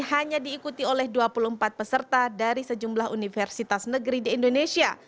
hanya diikuti oleh dua puluh empat peserta dari sejumlah universitas negeri di indonesia